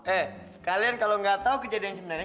eh kalian kalau nggak tahu kejadian sebenarnya